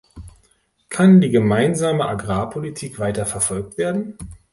Kann die Gemeinsame Agrarpolitik weiter verfolgt werden?